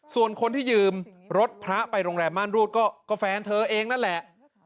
ส่วนคนที่ยืมรถพระไปโรงแรมม่านรูดก็แฟนเธอเองนั่นแหละ